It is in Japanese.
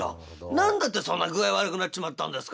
何だってそんな具合悪くなっちまったんですか」。